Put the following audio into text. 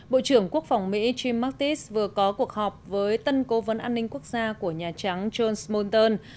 bộ trưởng quốc phòng mỹ jim mattis vừa có cuộc họp với tân cố vấn an ninh quốc gia của nhà trắng john smolten